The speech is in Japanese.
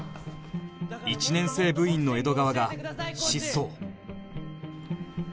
１年生部員の江戸川が失踪